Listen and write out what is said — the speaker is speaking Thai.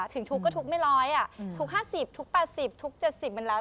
ถึงทุกข์ก็ทุกไม่ร้อยทุก๕๐ทุก๘๐ทุก๗๐มันแล้ว